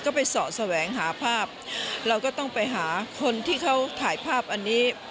ก็ไปเสาะแสวงหาภาพเราก็ต้องไปหาคนที่เขาถ่ายภาพอันนี้